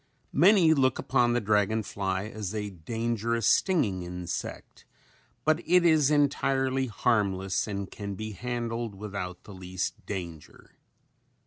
Many look upon the dragon fly as a dangerous stinging insect but it is entirely harmless and can be handled without the least danger.